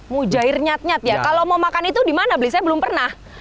mujair nyat nyat ya kalau mau makan itu dimana beli saya belum pernah